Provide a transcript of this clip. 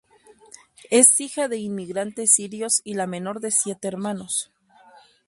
Es hija de inmigrantes sirios y la menor de siete hermanos.